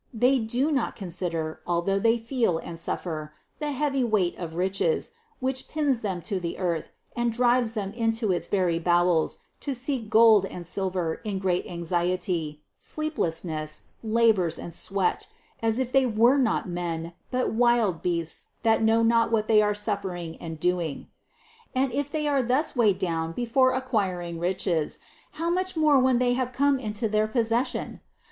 They do not consider, although they feel and suffer, the heavy weight of riches, which pins them to the earth and drives them into its very bowels to seek gold and silver in great anxiety, sleeplessness, labors and sweat, as if they were not men, but wild beasts that know not what they are suffering and doing. And if they are thus weighed down before acquiring riches, how much more when they have come into their possession